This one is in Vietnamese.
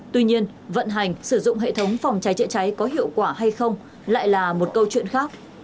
tuy nhiên vận hành sử dụng hệ thống phòng trái trịa trái có hiệu quả hay không lại là một câu chuyện khác